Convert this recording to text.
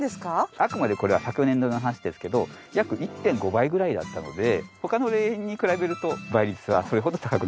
あくまでこれは昨年度の話ですけど約１．５倍ぐらいだったので他の霊園に比べると倍率はそれほど高くないんですね。